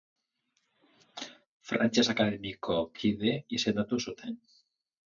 Frantses Akademiako kide izendatu zuten.